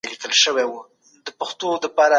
د پرمختګ لپاره ګډ کار وکړئ.